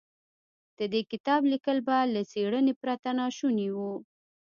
د دې کتاب ليکل به له څېړنې پرته ناشوني و.